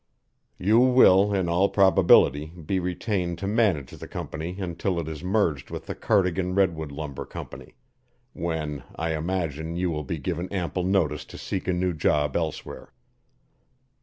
You will, in all probability, be retained to manage the company until it is merged with the Cardigan Redwood Lumber Company when, I imagine, you will be given ample notice to seek a new job elsewhere.